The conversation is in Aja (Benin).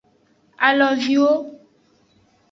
Aloviwo.